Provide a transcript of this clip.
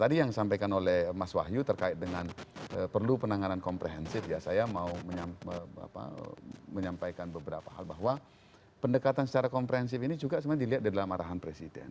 jadi yang disampaikan oleh mas wahyu terkait dengan perlu penanganan komprehensif ya saya mau menyampaikan beberapa hal bahwa pendekatan secara komprehensif ini juga sebenarnya dilihat di dalam arahan presiden